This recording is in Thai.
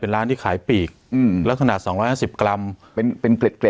เป็นร้านที่ขายปีกอืมลักษณะสองร้อยห้าสิบกรัมเป็นเป็นเกล็ดเกล็ด